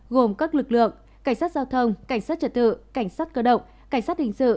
gồm các lực lượng cảnh sát giao thông cảnh sát trật tự cảnh sát cơ động cảnh sát hình sự